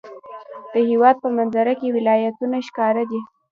د هېواد په منظره کې ولایتونه ښکاره دي.